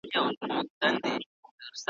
خوب له شپې، قرار وتلی دی له ورځي ,